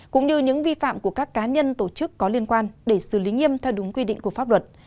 cũng như những vi phạm của các cá nhân tổ chức có liên quan để xử lý nghiêm theo đúng quy định của pháp luật